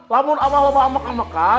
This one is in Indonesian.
lamun abah abah mekan mekan